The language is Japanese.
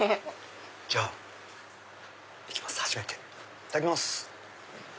いただきます！